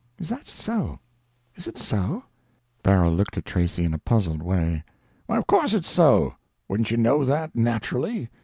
"Is that so! Is it so?" Barrow looked at Tracy in a puzzled way. "Why of course it's so. Wouldn't you know that, naturally.